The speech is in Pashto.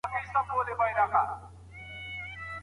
که خاوند او ميرمني دوی ته دغه صلاحيتونه ورسپارلي وي.